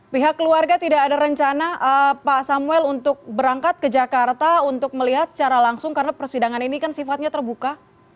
pihak keluarga tidak ada rencana pak samuel untuk berangkat ke jakarta untuk melihat secara langsung karena persidangan ini kan sifatnya terbuka